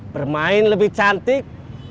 bermain lebih cantik